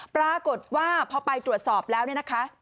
ปรากฏว่าพอไปตรวจสอบแล้วเนี่ยนะคะ